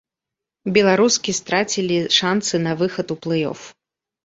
Беларускі страцілі шанцы на выхад у плэй-оф.